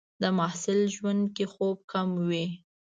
د محصل ژوند کې خوب کم وي.